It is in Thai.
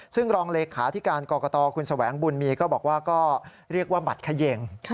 ซึ่งรองเลขาที่การกรกตคุณแสวงบุญมีก็บอกว่าก็เรียกว่าบัตรเขย่ง